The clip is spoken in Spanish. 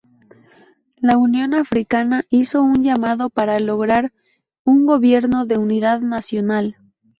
La Unión Africana hizo un llamado para lograr un "gobierno de unidad nacional".